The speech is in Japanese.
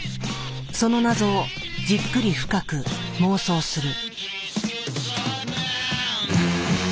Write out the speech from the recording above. その謎をじっくり深く妄想する。